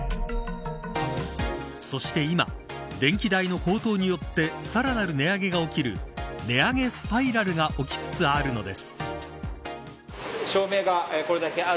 そして、今電気代の高騰によってさらなる値上げが起きる値上げスパイラルが起きつつあるのです。